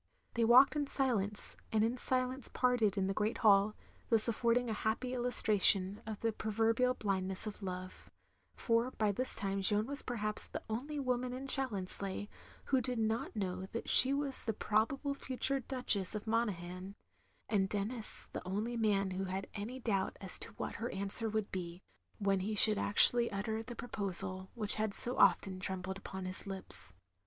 They walked in silence; and in silence parted in the great hall; thus affording a happy illustra tion of the proverbial blindness of love; for by this time Jeanne was perhaps the only woman in Challonsleigh who did not know that she was OF GROSVENOR SQUARE 299 the probable future Duchess of Monaghan; and Denis the only man who had any doubt as to what her answer would be, when he shotdd actually utter the proposal which had so often trembled upon his lips.